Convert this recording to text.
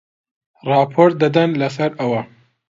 ڕاپۆرت دەدەن لەسەر ئەوە